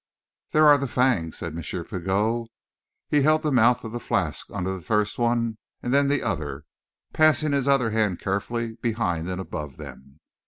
"There are the fangs," said M. Pigot. He held the mouth of the flask under first one and then the other, passing his other hand carefully behind and above them.